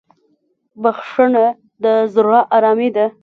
بخښنه د زړه ارامي ده.